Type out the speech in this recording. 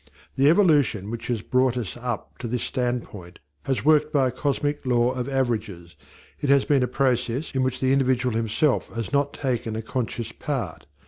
The evolution which has brought us up to this standpoint has worked by a cosmic law of averages; it has been a process in which the individual himself has not taken a conscious part.